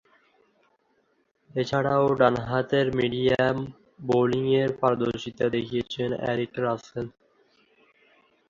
এছাড়াও, ডানহাতে মিডিয়াম বোলিংয়ে পারদর্শীতা দেখিয়েছেন এরিক রাসেল।